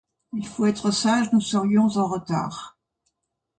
Il faut être sage, nous serions en retard.